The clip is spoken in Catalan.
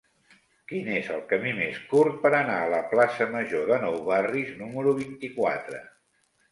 Quin és el camí més curt per anar a la plaça Major de Nou Barris número vint-i-quatre?